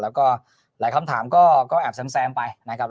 แล้วก็หลายคำถามก็แอบแซมไปนะครับ